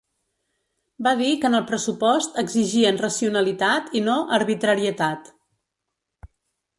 Va dir que en el pressupost exigien racionalitat i no arbitrarietat.